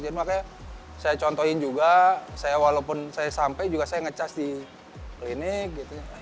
jadi makanya saya contohin juga saya walaupun saya sampai juga saya ngecas di klinik gitu ya